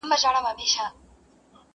پروت پر ګیله منو پېغلو شونډو پېزوان څه ویل.!